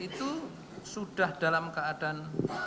itu sudah dalam keadaan